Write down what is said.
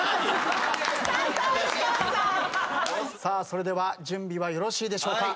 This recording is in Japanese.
それでは準備はよろしいでしょうか？